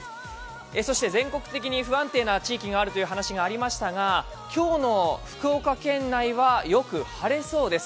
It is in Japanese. そして全国的に不安定な地域があるという話がありましたが今日の福岡県内は、よく晴れそうです。